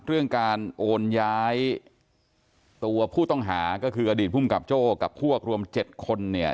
เรื่องการโอนย้ายตัวผู้ต้องหาก็คืออดีตภูมิกับโจ้กับพวกรวม๗คนเนี่ย